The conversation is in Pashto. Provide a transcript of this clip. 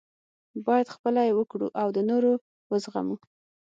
باید خپله یې وکړو او د نورو وزغمو.